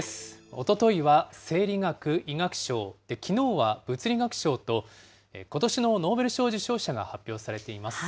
おとといは生理学・医学賞、きのうは物理学賞と、ことしのノーベル賞受賞者が発表されています。